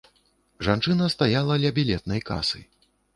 Жанчына стаяла ля білетнай касы.